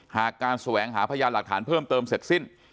หากการแสวงหาพยานหลักฐานเพิ่มเติมเสร็จสิ้น